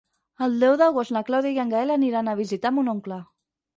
El deu d'agost na Clàudia i en Gaël aniran a visitar mon oncle.